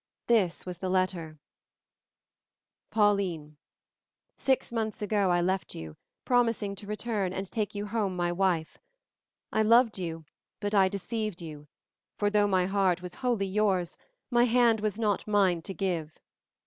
This was the letter: Pauline Six months ago I left you, promising to return and take you home my wife; I loved you, but I deceived you; for though my heart was wholly yours, my hand was not mine to give.